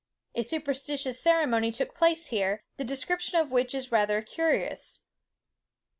A superstitious ceremony took place here, the description of which is rather curious.